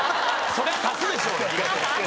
そりゃ足すでしょうよ。